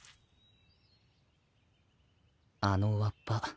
あのわっぱ。